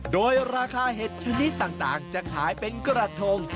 โดยราคาเห็ดชนิดต่างจะขายเป็นกระทง